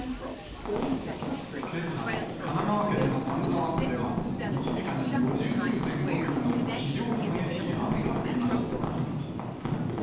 けさ、神奈川県の丹沢湖では、１時間に５９．５ミリの非常に激しい雨が降りました。